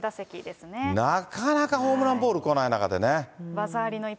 なかなかホームランボール来ない中でね。